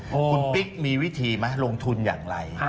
คุณปิ๊กมีวิธีไหมลงทุนอย่างไร